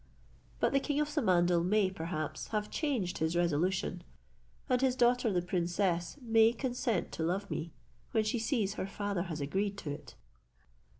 But the king of Samandal may, perhaps, have changed his resolution; and his daughter the princess may consent to love me, when she sees her father has agreed to it."